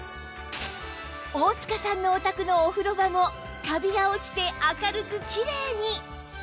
大塚さんのお宅のお風呂場もカビが落ちて明るくきれいに！